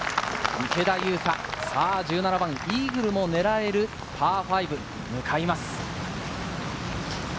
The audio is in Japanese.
池田勇太、さぁ１７番イーグルも狙える、パー５向かいます。